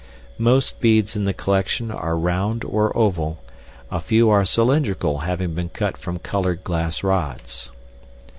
Most beads in the collection are round or oval, a few are cylindrical having been cut from colored glass rods.